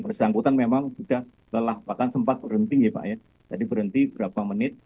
bersangkutan memang sudah lelah bahkan sempat berhenti ya pak ya tadi berhenti berapa menit